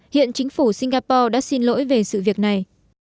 hiện chính phủ singapore đã xin lỗi về sự việc này